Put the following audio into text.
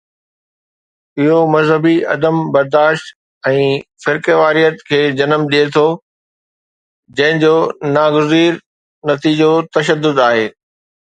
اهو مذهبي عدم برداشت ۽ فرقيواريت کي جنم ڏئي ٿو، جنهن جو ناگزير نتيجو تشدد آهي.